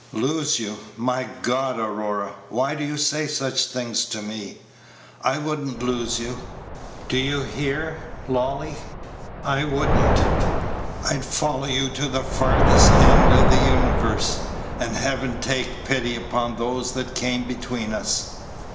"Lose you! My God, Aurora, why do you say such things to me? I would n't lose you. Do you hear, Lolly? I would n't. I'd follow you to the farthest end of the universe; and Heaven take pity upon those that came between us."